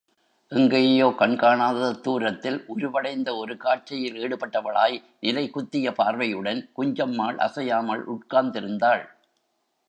எங்கேயோ, கண்காணாத தூரத்தில் உருவடைந்த ஒரு காட்சியில் ஈடுபட்டவளாய் நிலைகுத்திய பார்வையுடன் குஞ்சம்மாள் அசையாமல் உட்கார்ந்திருந்தாள்.